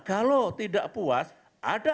kalau tidak puas ada